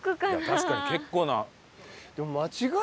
確かに結構な。